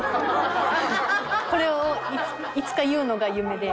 これをいつか言うのが夢で。